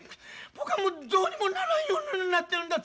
僕はもうどうにもならんようになってるんだ。